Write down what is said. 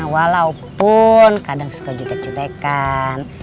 walaupun kadang suka cutek jutekan